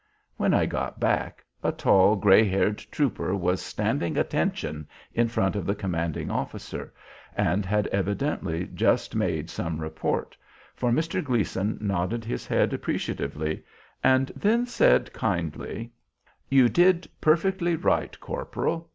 When I got back, a tall, gray haired trooper was "standing attention" in front of the commanding officer, and had evidently just made some report, for Mr. Gleason nodded his head appreciatively and then said, kindly, "You did perfectly right, corporal.